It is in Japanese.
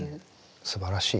すばらしい。